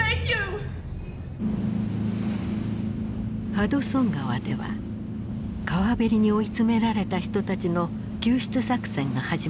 ハドソン川では川べりに追い詰められた人たちの救出作戦が始まった。